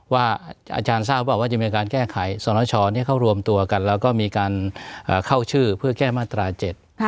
ว่าอาจารย์ซาก่อนจะมีการแก้ไขสรรค์ศพเขารวมตัวกันและมีการเข้าชื่อเพื่อแก้มาตราเจ็ด